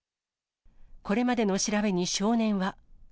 これまでの調べに少年は。